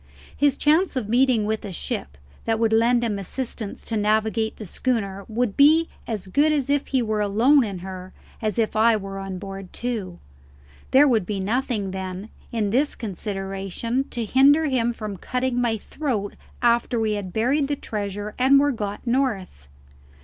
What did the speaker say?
His chance of meeting with a ship that would lend him assistance to navigate the schooner would be as good if he were alone in her as if I were on board too. There would be nothing, then, in this consideration to hinder him from cutting my throat after we had buried the treasure and were got north.